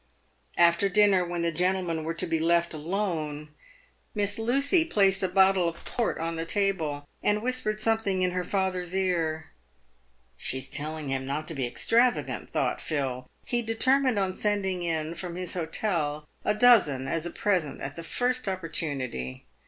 After dinner, when the gentlemen were to be left alone, Miss Lucy placed a bottle of port on the table, and whispered something in her father's ear. " She's telling him not to be extravagant," thought Phil. He determined on sending in from his hotel a dozen as a present at the first opportunity.